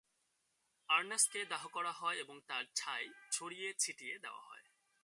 আরনাজকে দাহ করা হয় এবং তার ছাই ছড়িয়ে ছিটিয়ে দেওয়া হয়।